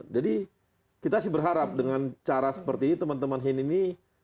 jadi kita sih berharap dengan cara seperti ini teman teman hin ini